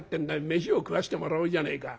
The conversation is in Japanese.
飯を食わせてもらおうじゃねえか。